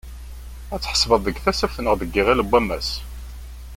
Ad tḥebseḍ deg Tasaft neɣ deg Iɣil n wammas?